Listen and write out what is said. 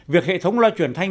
việc hệ thống loa truyền thanh